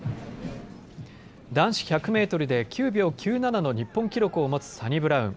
男子１００メートルで９秒９７の日本記録を待つサニブラウン。